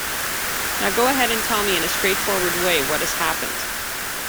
Now go ahead and tell me in a straightforward way what has happened.